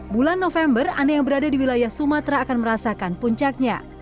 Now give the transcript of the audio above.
bulan november aneh yang berada di wilayah sumatera akan merasakan puncaknya